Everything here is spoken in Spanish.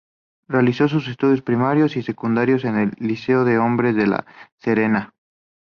Realizó sus estudios primarios y secundarios en el Liceo de Hombres de La Serena.